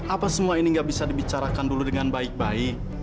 apa semua ini nggak bisa dibicarakan dulu dengan baik baik